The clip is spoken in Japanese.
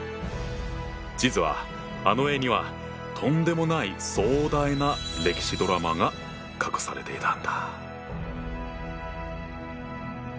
実はあの絵にはとんでもない壮大な歴史ドラマが隠されていたんだ。